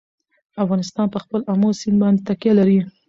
افغانستان په خپل آمو سیند باندې تکیه لري.